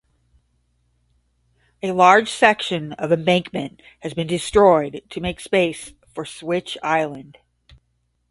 A large section of embankment has been destroyed to make space for Switch Island.